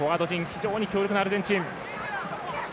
非常に強力なアルゼンチン。